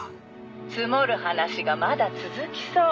「積もる話がまだ続きそう」